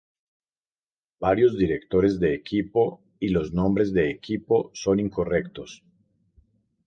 Varios directores de equipo y los nombres de equipo son incorrectos.